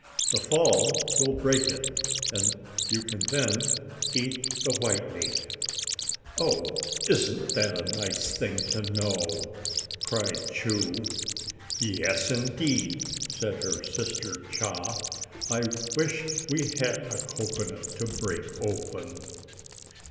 The fall will break it, and you can then eat the white meat." "Oh, isn't that a nice thing to know!" cried Choo. "Yes, indeed," said her sister Chaa. "I wish we had a cocoanut to break open."